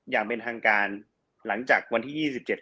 อย่างเป็นทางการหลังจากวันที่๒๗